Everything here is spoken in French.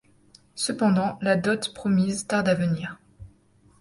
Cependant, la dot promise tarde à venir.